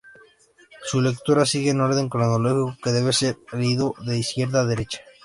Su lectura sigue un orden cronológico, que debe ser leído de izquierda a derecha.